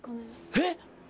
えっ？